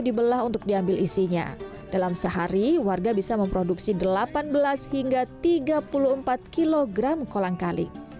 dibelah untuk diambil isinya dalam sehari warga bisa memproduksi delapan belas hingga tiga puluh empat kg kolang kaling